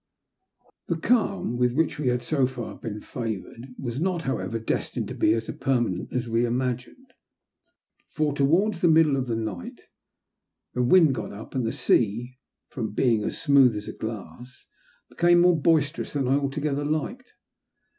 THE calm with which we had so far been favoured was not, however, destined to be as permanent as we imagined, for towards the middle of the night the wind got up, and the sea, from being as smooth as glass, became more boisterous than I altogether liked.